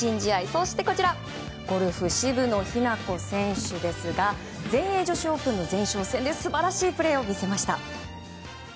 そして、ゴルフ渋野日向子選手ですが全英女子オープンの前哨戦で素晴らしいプレーを見せました。